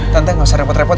tante gak usah repot repot